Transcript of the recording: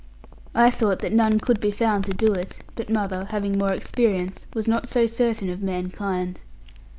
I thought that none could be found to do it; but mother, having more experience, was not so certain of mankind.